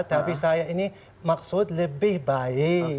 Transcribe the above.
tapi saya ini maksud lebih baik